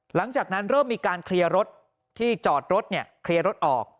หลังจากนั้นเริ่มมีการเคลียร์รถที่จอดรถเคลียร์รถออก